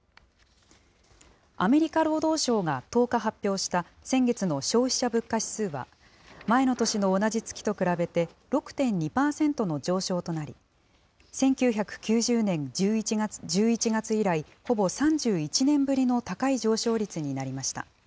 アメリカ労働省が１０日発表した、先月の消費者物価指数は、前の年の同じ月と比べて、６．２％の上昇となり、１９９０年１１月以来、ほぼ３１年ぶりの高い上昇率になりました。